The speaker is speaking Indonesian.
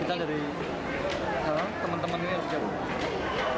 kita dari teman teman ini harus siap